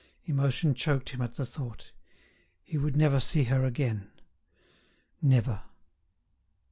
Emotion choked him at the thought: he would never see her again—never!